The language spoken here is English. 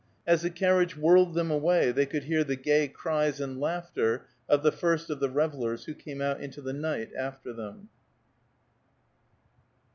As the carriage whirled them away, they could hear the gay cries and laughter of the first of the revellers who came out into the night after them.